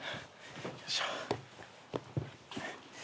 よいしょ。